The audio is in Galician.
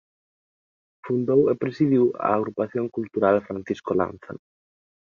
Fundou e presidiu a Agrupación Cultural Francisco Lanza.